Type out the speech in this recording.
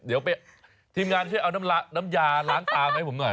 เดี๋ยวทีมงานช่วยเอาน้ำยาล้างตามาให้ผมหน่อย